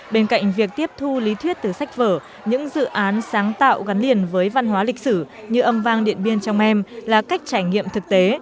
bên cạnh việc tiếp thu lý thuyết từ sách vở những dự án sáng tạo gắn liền với văn hóa lịch sử như âm vang điện biên trong em là cách trải nghiệm thực tế